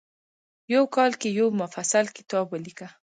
په کال کې یو مفصل کتاب ولیکه.